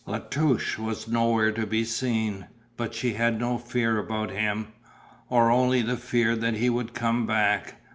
La Touche was nowhere to be seen, but she had no fear about him, or only the fear that he would come back.